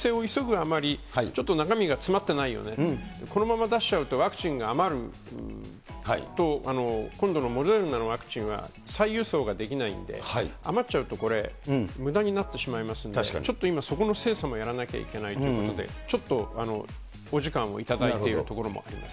あまりちょっと中身が詰まってないような、このまま出しちゃうと、ワクチンが余ると、今度のモデルナのワクチンは再輸送ができないんで、余っちゃうとこれ、むだになってしまいますので、ちょっと今、そこの精査もやらなきゃいけないということで、ちょっとお時間を頂いているところもあります。